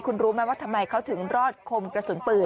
คุณรู้ไหมว่าทำไมเขาถึงรอดคมกระสุนปืน